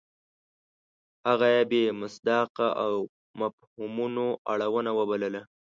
هغه یې بې مصداقه او مفهومونو اړونه وبلله.